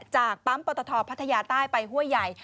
จากปั๊มปตทพัทยาใต้ไปห้วยใหญ่